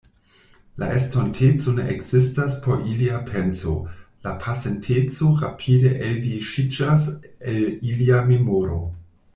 La estonteco ne ekzistas por ilia penso, la pasinteco rapide elviŝiĝas el ilia memoro.